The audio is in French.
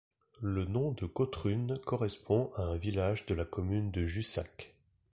Le nom de Cautrunes correspond à un village de la commune de Jussac.